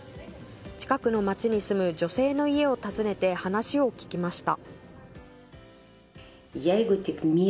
近くの町に住む女性の家を訪ねて話を聞きました。